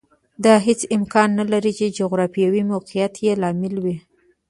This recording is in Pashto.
دا هېڅ امکان نه لري چې جغرافیوي موقعیت یې لامل وي